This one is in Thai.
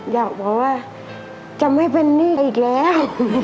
อยากบอกว่าจะไม่เป็นหนี้อีกแล้ว